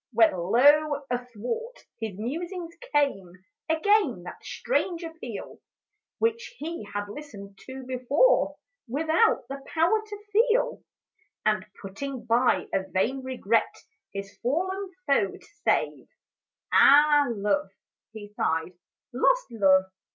When, lo ! athwart his musings, came Again that strange appeal 86 AT EASTER Which he had listened to before, — Without the power to feel ; And putting by a vain regret, — His fallen foe to save, — "Ah, love !" he sighed, " lost love